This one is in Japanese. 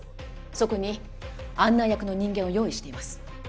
そこに案内役の人間を用意しています